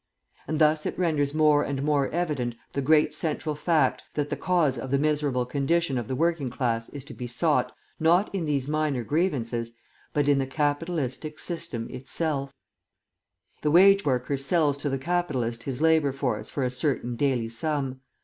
And thus it renders more and more evident the great central fact, that the cause of the miserable condition of the working class is to be sought, not in these minor grievances, but in the Capitalistic System itself. The wage worker sells to the capitalist his labour force for a certain daily sum.